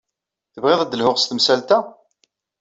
Tebɣiḍ ad d-lhuɣ s temsalt-a?